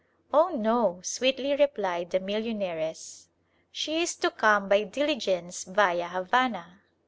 "Oh no" sweetly replied the millionairess, "she is to come by diligence via Havana!"